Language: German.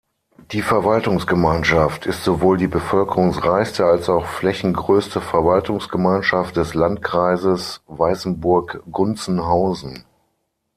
Die Verwaltungsgemeinschaft ist sowohl die bevölkerungsreichste als auch flächengrößte Verwaltungsgemeinschaft des Landkreises Weißenburg-Gunzenhausen.